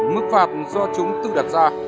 mức phạt do chúng tư đặt ra